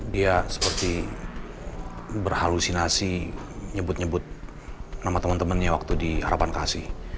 dia seperti berhalusinasi nyebut nyebut nama teman temannya waktu di harapan kasih